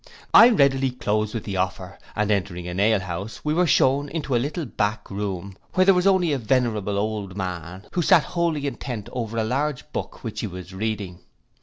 I readily closed with the offer, and entering an ale house, we were shewn into a little back room, where there was only a venerable old man, who sat wholly intent over a large book, which he was reading.